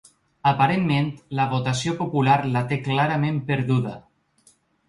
Aparentment, la votació popular la té clarament perduda.